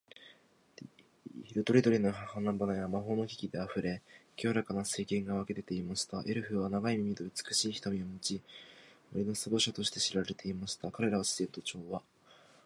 昔々、遠い国にエルフの住む美しい森がありました。この森は、色とりどりの花々や魔法の木々で溢れ、清らかな水源が湧き出ていました。エルフは、長い耳と美しい瞳を持ち、森の守護者として知られていました。彼らは自然と調和し、魔法の力を扱うことができました。